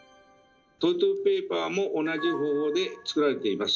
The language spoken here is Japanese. トイレットペーパーも同じ方法でつくられています。